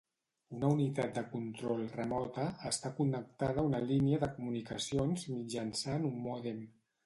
Una unitat de control "remota" està connectada a una línia de comunicacions mitjançant un mòdem.